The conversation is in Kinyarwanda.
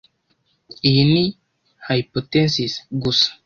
Iyi ni hypothesis gusa.